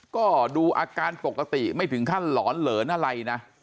ก็ดูอาการปกติไม่ถึงขั้นหลอนเหลินอะไรนะ